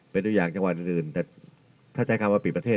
เป็นตัวอย่างจังหวัดอื่นแต่ถ้าใช้คำว่าปิดประเทศ